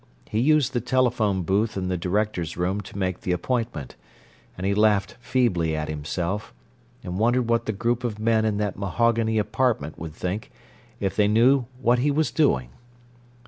He used the telephone booth in the directors' room to make the appointment; and he laughed feebly at himself, and wondered what the group of men in that mahogany apartment would think if they knew what he was doing.